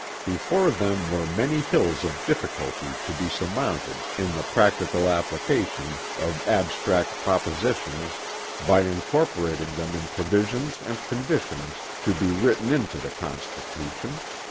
Before them were many hills of difficulty to be surmounted in the practical application of abstract propositions by incorporating them in provisions and conditions to be written into the Constitution.